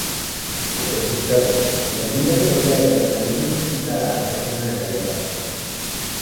Como resultado, la línea ferroviaria permaneció inutilizada hasta el final de la guerra.